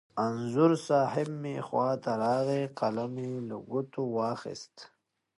انځور صاحب مې خوا ته راغی، قلم یې له ګوتو واخست.